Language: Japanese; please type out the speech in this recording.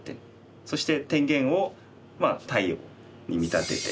そして天元を太陽に見立てて。